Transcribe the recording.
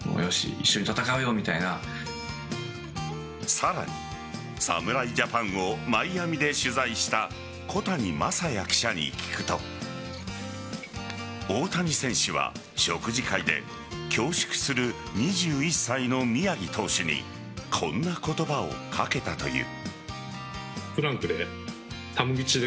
さらに侍ジャパンをマイアミで取材した小谷真弥記者に聞くと大谷選手は食事会で恐縮する２１歳の宮城投手にこんな言葉をかけたという。